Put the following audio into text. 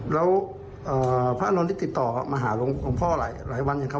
แล้วอ่าพระอานนท์นี่ติดต่อมาหาหลวงของพ่อหลายหลายวันอย่างครับ